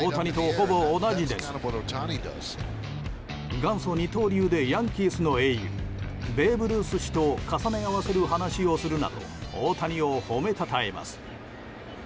元祖二刀流でヤンキースの英雄ベーブ・ルース氏と重ね合わせる話をするなど大谷を褒めたたえます。